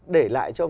để lại cho ông